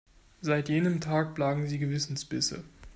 Seit jenem Tag plagen sie Gewissensbisse.